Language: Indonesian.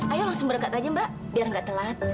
ayo langsung berkat aja mbak biar gak telat